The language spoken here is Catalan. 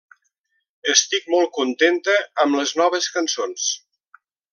Estic molt contenta amb les noves cançons.